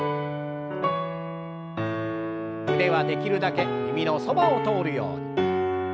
腕はできるだけ耳のそばを通るように。